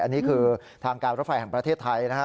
อันนี้คือทางการรถไฟแห่งประเทศไทยนะฮะ